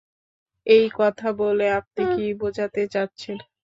এই কথা বলে আপনি কী বোঝাতে চাচ্ছেন?